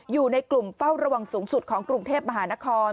อยู่ในกลุ่มเฝ้าระวังสูงสุดของกรุงเทพมหานคร